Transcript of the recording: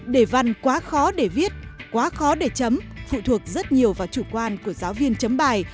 đề văn quá khó để viết quá khó để chấm phụ thuộc rất nhiều vào chủ quan của giáo viên chấm bài